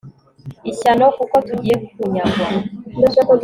ishyano kuko tugiye kunyagwa